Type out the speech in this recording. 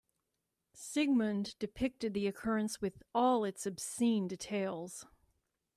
Sigmund depicted the occurrence with all its obscene details.